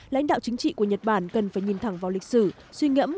lãnh đạo chính trị của nhật bản cần phải nhìn thẳng vào lịch sử suy ngẫm